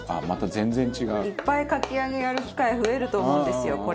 また全然違う」いっぱいかき揚げやる機会増えると思うんですよ